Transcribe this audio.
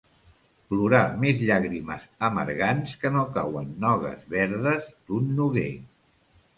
Plorar més llàgrimes amargants que no cauen nogues verdes d'un noguer.